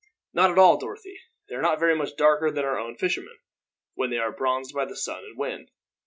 "Not at all, Dorothy. They are not very much darker than our own fishermen, when they are bronzed by the sun and wind.